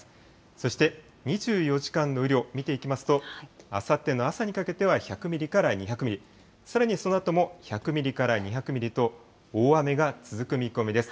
そして、２４時間の雨量見ていきますと、あさっての朝にかけては１００ミリから２００ミリ、さらにそのあとも１００ミリから２００ミリと、大雨が続く見込みです。